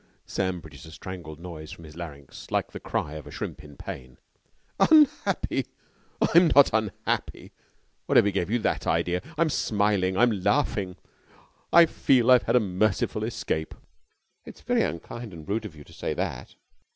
Sam produced a strangled noise from his larynx, like the cry of a shrimp in pain. "Unhappy! I'm not unhappy! Whatever gave you that idea? I'm smiling! I'm laughing! I feel I've had a merciful escape." "It's very unkind and rude of you to say that."